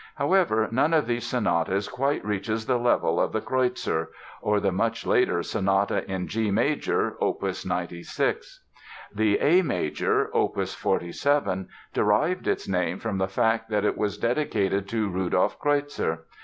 However, none of these sonatas quite reaches the level of the "Kreutzer" or the much later Sonata in G major, opus 96. The A major, opus 47, derived its name from the fact that it was dedicated to Rudolph Kreutzer.